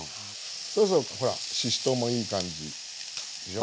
そろそろほらししとうもいい感じでしょ